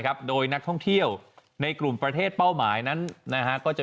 โดยนักท่องเที่ยวในกลุ่มประเทศเป้าหมายนั้นนะฮะก็จะ